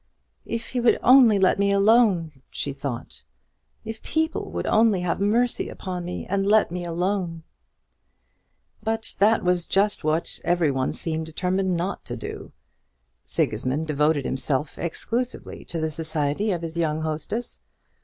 "If he would only let me alone!" she thought. "If people would only have mercy upon me and let me alone!" But that was just what every one seemed determined not to do. Sigismund devoted himself exclusively to the society of his young hostess.